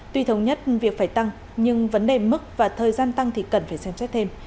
tuy thống nhất việc phải tăng nhưng vấn đề mức và thời gian tăng thì cần phải xem xét thêm